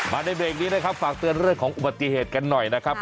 ในเบรกนี้นะครับฝากเตือนเรื่องของอุบัติเหตุกันหน่อยนะครับ